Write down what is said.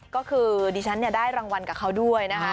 ก็คือดิฉันได้รางวัลกับเขาด้วยนะคะ